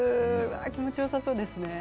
気持ちよさそうです。